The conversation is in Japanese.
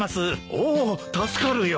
おお助かるよ。